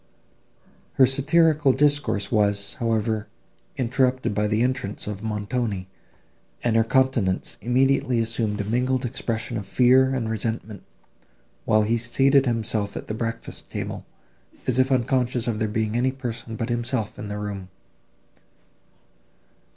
Her satirical discourse was, however, interrupted by the entrance of Montoni, and her countenance immediately assumed a mingled expression of fear and resentment, while he seated himself at the breakfast table, as if unconscious of there being any person but himself in the room.